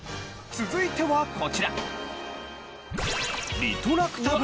続いてはこちら。